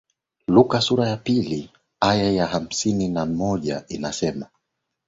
Luka sura ya pili aya ya hamsini na moja inasema